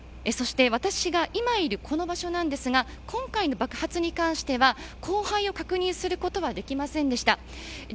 そして私が今いるこの場所なんですが今回の爆発に関しては降灰を確認することはできませんでした。